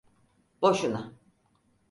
Boşuna.